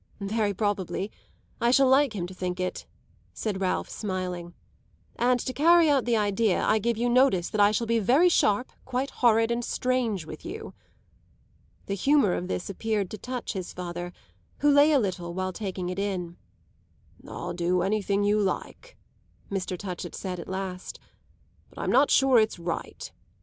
"Very probably; I shall like him to think it," said Ralph, smiling; "and, to carry out the idea, I give you notice that I shall be very sharp, quite horrid and strange, with you." The humour of this appeared to touch his father, who lay a little while taking it in. "I'll do anything you like," Mr. Touchett said at last; "but I'm not sure it's right.